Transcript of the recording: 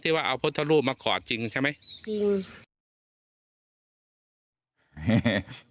ที่ว่าเอาพระทรุมาขอจริงใช่ไหมจริง